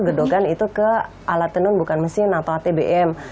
gedogan itu ke alat tenun bukan mesin atau atbm